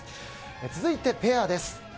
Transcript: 続いてペアです。